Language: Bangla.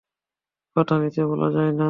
কথা নিচে বলা যায় না?